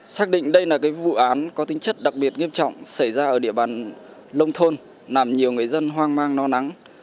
xác định đây là vụ án có tính chất đặc biệt nghiêm trọng xảy ra ở địa bàn lông thôn nằm nhiều người dân hoang mang no nắng